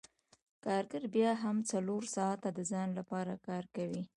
کارګر بیا هم څلور ساعته د ځان لپاره کار کوي